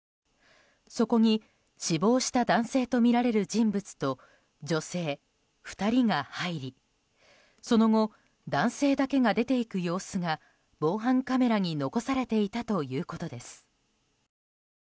そこに死亡した男性とみられる人物と女性２人が入りその後、男性だけが出ていく様子が防犯カメラに残されていたということです。